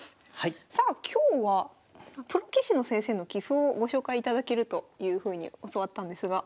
さあ今日はプロ棋士の先生の棋譜をご紹介いただけるというふうに教わったんですが。